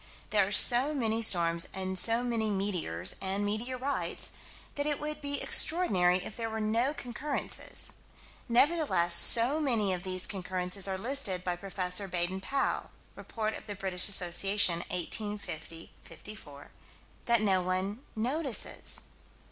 There are so many storms and so many meteors and meteorites that it would be extraordinary if there were no concurrences. Nevertheless so many of these concurrences are listed by Prof. Baden Powell (Rept. Brit. Assoc., 1850 54) that one notices.